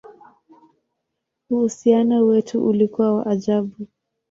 Uhusiano wetu ulikuwa wa ajabu!